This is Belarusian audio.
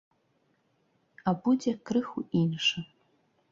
А будзе крыху іншы.